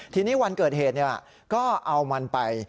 ทีนี้วันเกิดเหตุก็เอามันไป